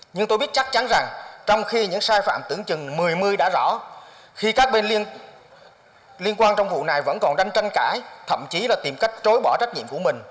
nhưng tôi biết chắc chắn rằng trong khi những sai phạm tưởng chừng một mươi đã rõ khi các bên liên quan trong vụ này vẫn còn đang tranh cãi thậm chí là tìm cách trốn bỏ trách nhiệm của mình